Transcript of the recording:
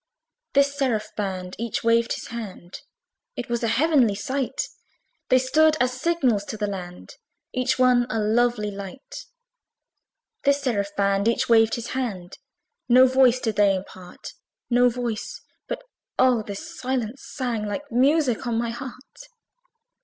This seraph band, each waved his hand: It was a heavenly sight! They stood as signals to the land, Each one a lovely light: This seraph band, each waved his hand, No voice did they impart No voice; but oh! the silence sank Like music on my heart.